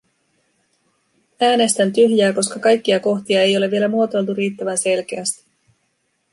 Äänestän tyhjää, koska kaikkia kohtia ei ole vielä muotoiltu riittävän selkeästi.